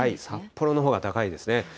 札幌のほうが高いですね。